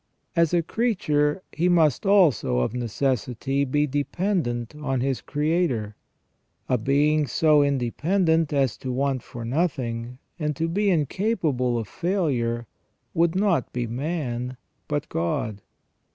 As a creature he must also of necessity be dependent on his Creator. A being so independent as to want for nothing, and to be incapable of failure, would not be man, but God.